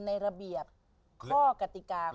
ในระเบียบข้อกติกาของการเล่น